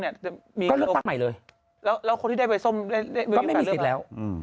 ก็ไม่มีเกียรติแล้ว